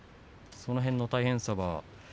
その辺の大変さは。